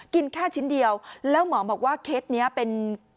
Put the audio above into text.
กินแค่ชิ้นเดียวแล้วหมอบอกว่าเคสนี้เป็น